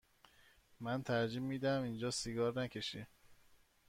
من ترجیح می دهم اینجا سیگار نکشی.